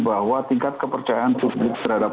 bahwa tingkat kepercayaan publik terhadap